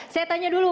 saya tanya dulu